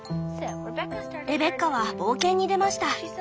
レベッカは冒険に出ました。